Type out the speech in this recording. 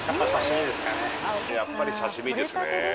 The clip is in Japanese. やっぱり刺身ですね。